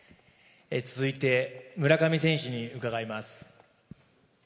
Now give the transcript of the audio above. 続いて村上選手に伺います。